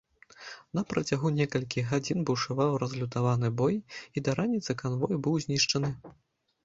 На працягу некалькіх гадзін бушаваў разлютаваны бой, і да раніцы канвой быў знішчаны.